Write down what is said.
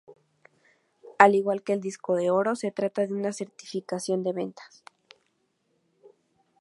Al igual que el Disco de Oro, se trata de una certificación de ventas.